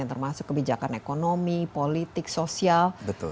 termasuk kebijakan ekonomi politik sosial